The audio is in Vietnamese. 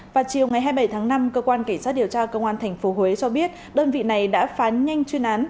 vào chiều ngày hai mươi bảy tháng năm cơ quan cảnh sát điều tra công an tp huế cho biết đơn vị này đã phán nhanh chuyên án